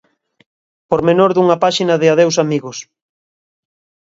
Pormenor dunha páxina de 'Adeus amigos'.